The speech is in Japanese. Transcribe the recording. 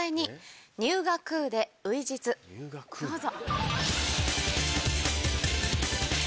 どうぞ。